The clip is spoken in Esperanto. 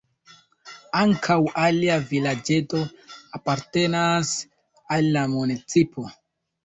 Ankaŭ alia vilaĝeto apartenas al la municipo.